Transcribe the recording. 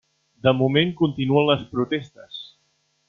De moment, continuen les protestes.